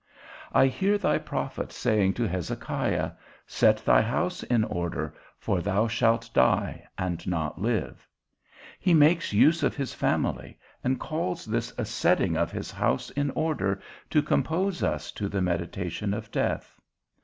I hear thy prophet saying to Hezekiah, Set thy house in order, for thou shalt die, and not live: he makes use of his family, and calls this a setting of his house in order, to compose us to the meditation of death.